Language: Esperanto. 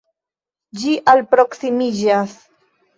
Ĝi alproksimiĝas.